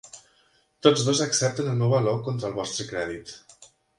Tots dos accepten "El meu valor contra el vostre crèdit".